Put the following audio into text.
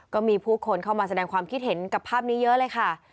ก็มีผู้คนเข้ามาแสดงความคิดเห็นกับภาพนี้เยอะเลยค่ะ